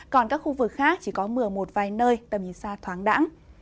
còn các khu vực khác chỉ có mưa một vài nơi tầm nhìn xa thoáng đẳng